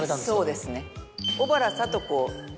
そうですね。